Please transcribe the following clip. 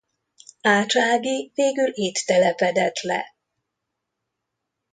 Ács Ági végül itt telepedett le.